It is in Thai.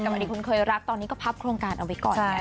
บางทีคุณเคยรักตอนนี้ก็พับโครงการเอาไว้ก่อนไง